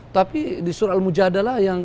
tapi di surah al mujadala yang